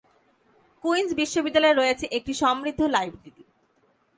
Queen's বিশ্ববিদ্যালয়ের রয়েছে একটি সমৃদ্ধ লাইব্রেরী।